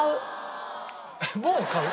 もう買う？